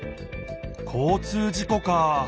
交通事故かあ。